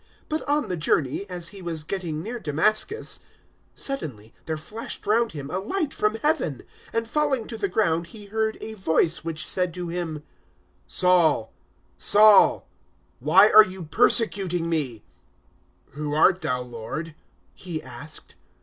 009:003 But on the journey, as he was getting near Damascus, suddenly there flashed round him a light from Heaven; 009:004 and falling to the ground he heard a voice which said to him, "Saul, Saul, why are you persecuting Me?" 009:005 "Who art thou, Lord?" he asked.